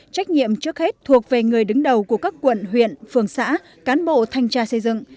trách nhiệm trước hết thuộc về người đứng đầu của các quận huyện phường xã cán bộ thanh tra xây dựng